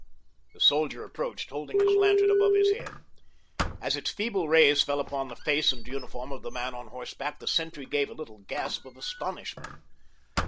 The soldier approached, holding his lantern above his head. As its feeble rays fell upon the face and uniform of the man on horseback, the sentry gave a little gasp of astonishment.